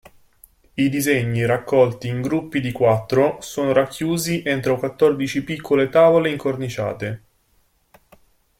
I disegni, raccolti in gruppi di quattro, sono racchiusi entro quattordici piccole tavole incorniciate.